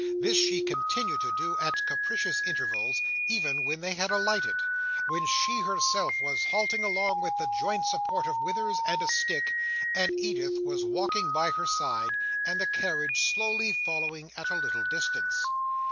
This she continued to do at capricious intervals, even when they had alighted: when she herself was halting along with the joint support of Withers and a stick, and Edith was walking by her side, and the carriage slowly following at a little distance.